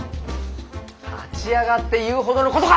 立ち上がって言うほどのことか！